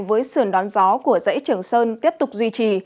với sườn đón gió của dãy trường sơn tiếp tục duy trì